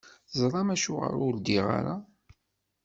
Tezṛam acuɣer ur ddiɣ ara?